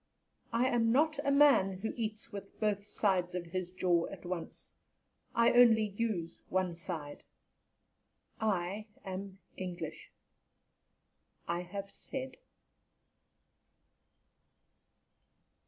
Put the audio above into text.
I am not a man who eats with both sides of his jaw at once; I only use one side. I am English. I have said."